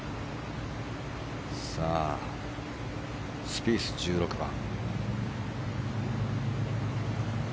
スピース、１６番。